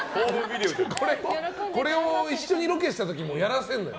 これを一緒にロケした時もやらせるのよ。